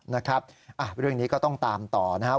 นะครับเรื่องนี้ก็ต้องตามต่อนะครับ